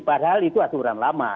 padahal itu aturan lama